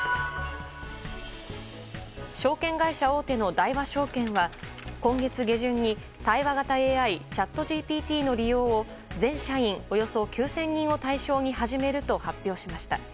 証券会社大手の大和証券は今月下旬に対話型ＡＩチャットＧＰＴの利用を全社員およそ９０００人を対象に始めると発表しました。